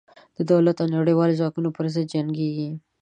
د دولت او نړېوالو ځواکونو پر ضد جنګېږي.